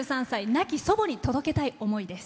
亡き祖母に届けたい思いです。